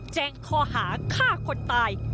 แจ้งข้อหาฆ่าคนตาย